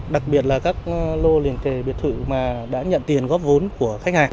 đặc biệt là các lô liên kề biệt thự mà đã nhận tiền góp vốn của khách hàng